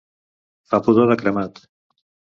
Fer pudor de cremat.